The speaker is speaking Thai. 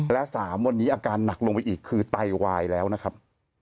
และ๓วันนี้อาการหนักลงไปอีกคือไตวายแล้วนะครับ